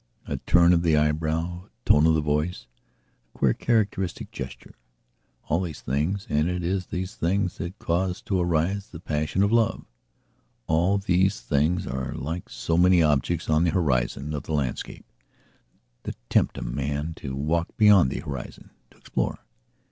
A turn of the eyebrow, a tone of the voice, a queer characteristic gestureall these things, and it is these things that cause to arise the passion of loveall these things are like so many objects on the horizon of the landscape that tempt a man to walk beyond the horizon, to explore.